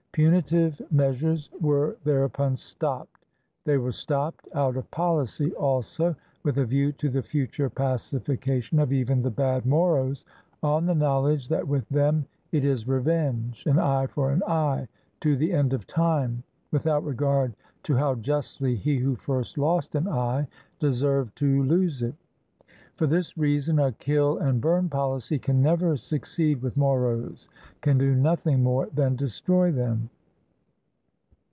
Punitive meas ures were thereupon stopped. They were stopped out of poHcy also, with a view to the future pacification of even the bad Moros, on the knowledge that with them it is revenge, an eye for an eye to the end of time, with out regard to how justly he who first lost an eye deserved to lose it. For this reason a ''kill and burn" policy can never succeed with Moros, can do nothing more than destroy them.